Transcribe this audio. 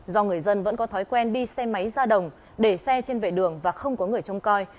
do người dân vẫn có thói quen đi xe máy ra đồng để xe trên vệ đường và không có người trông coi